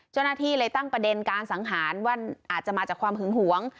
เจ้าหน้าที่เลยตั้งประเด็นการสังหารว่าอาจจะมาจากความหึงหวง